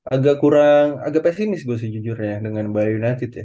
agak kurang agak pesimis gue sih jujurnya dengan bali united ya